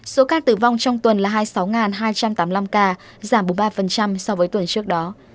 số ca tử vong trong tuần là hai mươi sáu hai trăm tám mươi năm ca giảm bốn mươi ba so với tuần trước đó